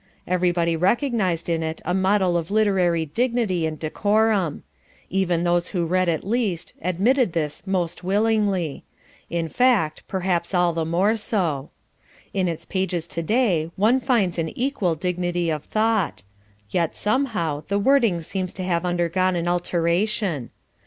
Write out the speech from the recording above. Everybody recognised in it a model of literary dignity and decorum. Even those who read it least, admitted this most willingly; in fact, perhaps all the more so. In its pages to day one finds an equal dignity of thought, yet, somehow, the wording seems to have undergone an alteration.